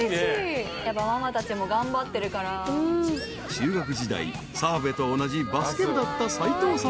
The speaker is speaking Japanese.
［中学時代澤部と同じバスケ部だった斎藤さん］